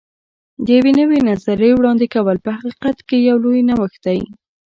د یوې نوې نظریې وړاندې کول په حقیقت کې یو لوی نوښت دی.